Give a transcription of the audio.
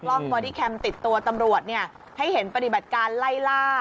บอดี้แคมป์ติดตัวตำรวจเนี่ยให้เห็นปฏิบัติการไล่ล่า